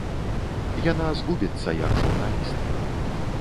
Яна згубіцца як журналіст.